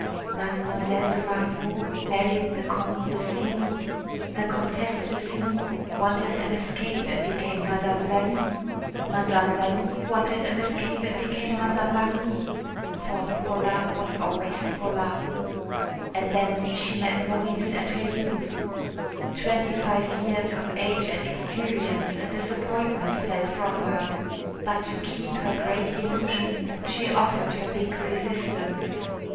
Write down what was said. Mlle. de Marveau married the Comte de Cély. The Comtesse de Cély wanted an escape and became Madame Lalli. Madame Lalli wanted an escape and became Madame Marly for Paula was always Paula. And then she met Maurice and her youth. Twenty five years of age and experience and disappointment fell from her. But to keep her great illusion she offered her big resistance....